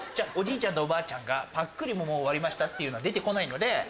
ちゃんとおばあちゃんがパックリ桃を割りましたっていうのは出て来ないので。